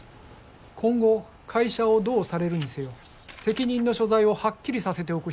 今後会社をどうされるにせよ責任の所在をはっきりさせておく必要があります。